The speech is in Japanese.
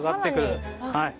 はい。